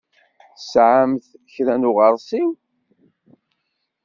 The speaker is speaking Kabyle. Tesɛamt kra n uɣeṛsiw?